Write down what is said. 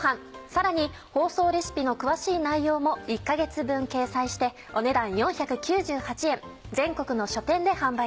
さらに放送レシピの詳しい内容も１か月分掲載してお値段４９８円。